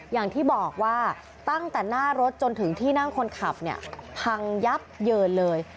อย่างที่บอกว่าตั้งแต่หน้ารถจนถึงที่นั่งคนขับเนี่ยพังยับเยินเลย